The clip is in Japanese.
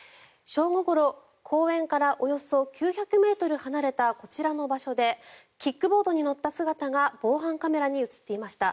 正午ごろ、公園からおよそ９００ｍ離れたこちらの場所でキックボードに乗った姿が防犯カメラに映っていました。